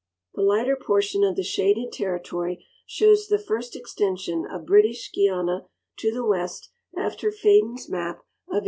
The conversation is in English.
The lighter portion of the shaded territory shows the first extension of British Guiana to the west after Fadon's map of 1820.